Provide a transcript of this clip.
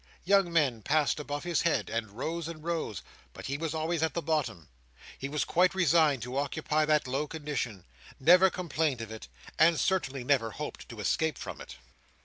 Young men passed above his head, and rose and rose; but he was always at the bottom. He was quite resigned to occupy that low condition: never complained of it: and certainly never hoped to escape from it.